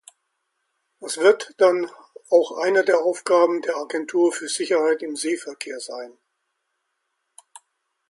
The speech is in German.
Das wird dann auch eine der Aufgaben der Agentur für Sicherheit im Seeverkehr sein.